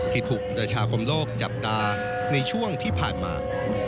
ที่ถูกประชาคมโลกจับตาในช่วงที่ผ่านมา